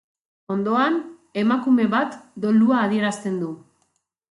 Ondoan, emakume bat dolua adierazten du.